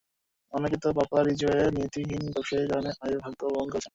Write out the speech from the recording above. অনেকে তো পাপা রিজওয়ের নীতিহিন ব্যবসায়ের কারণেও এই ভাগ্য বরণ করেছেন!